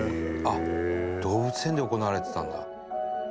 「あっ動物園で行われてたんだ」